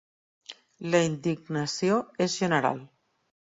La indignació és general.